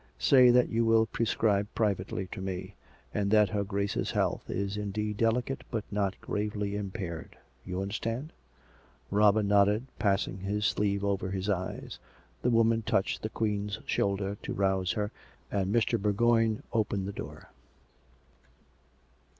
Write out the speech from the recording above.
"" Say that you will prescribe privately, to me: and that her Grace's health is indeed delicate, but not gravely im paired. ... You understand?" Robin nodded, passing his sleeve over his eyes. The woman touclied the Queen's shoulder to rouse her, and Mr. Bourgoign opened the door.